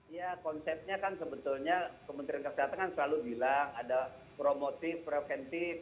ya konsepnya kan sebetulnya kementerian kesehatan kan selalu bilang ada promotif preventif